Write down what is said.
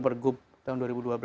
per gub tahun dua ribu dua belas